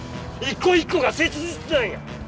一個一個が切実なんや！